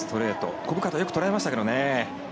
小深田よくとらえましたけどね。